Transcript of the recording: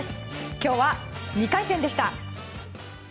今日は２回戦でした。